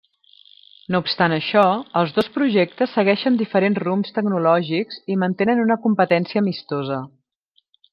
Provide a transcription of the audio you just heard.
No obstant això, els dos projectes segueixen diferents rumbs tecnològics i mantenen una competència amistosa.